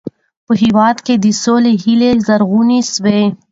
په هېواد کې د سولې هیلې زرغونې سوې.